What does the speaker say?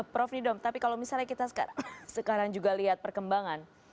prof nidom tapi kalau misalnya kita sekarang juga lihat perkembangan